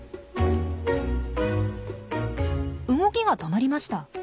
動きが止まりました。